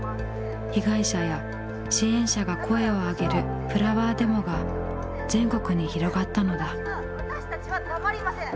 被害者や支援者が声をあげるフラワーデモが全国に広がったのだ。